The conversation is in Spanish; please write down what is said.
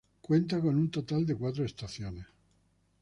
Cuenta con un total de cuatro estaciones.